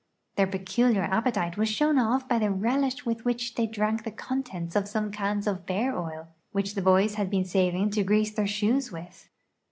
Their peculiar appetite was shown by the relish with which they drank the contents of some cans of ))ear oil which the boys had been saving to grease their shoes w'ith.